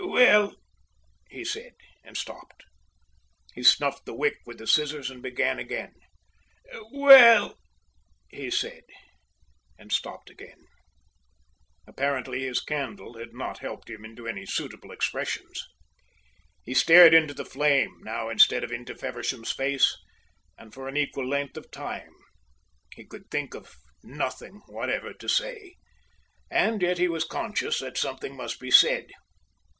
"Well " he said, and stopped. He snuffed the wick with the scissors and began again. "Well " he said, and stopped again. Apparently his candle had not helped him to any suitable expressions. He stared into the flame now instead of into Feversham's face, and for an equal length of time. He could think of nothing whatever to say, and yet he was conscious that something must be said.